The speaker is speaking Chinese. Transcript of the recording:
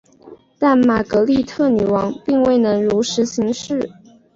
但玛格丽特女王并未能如实行事。